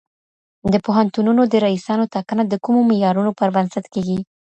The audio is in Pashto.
د پوهنتونونو د رییسانو ټاکنه د کومو معیارونو پر بنسټ کیږي؟